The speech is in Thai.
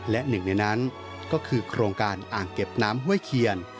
และหนึ่งในนั้นก็คือโครงการอ่างเก็บน้ำห้วยเคียน